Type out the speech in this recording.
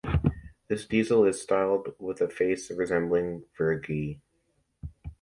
This diesel is styled with a face resembling "Virgie".